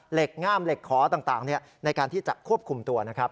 ง่ามเหล็กขอต่างในการที่จะควบคุมตัวนะครับ